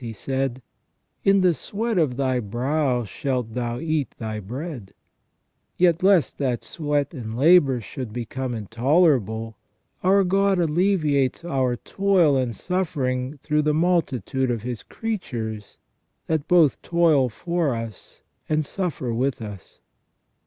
He said :" In the sweat of thy brow shalt thou eat thy bread "; yet lest that sweat and labour should become intolerable, our God alleviates our toil and suffering through the multitude of His creatures that both toil for us and suffer with us.